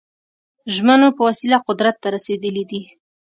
ژمنو په وسیله قدرت ته رسېدلي دي.